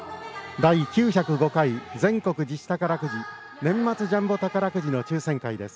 第９０５回全国自治宝くじ年末ジャンボ宝くじの抽せん会です。